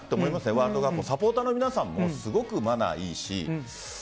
ワールドカップのサポーターの皆さんもすごくマナーがいいし。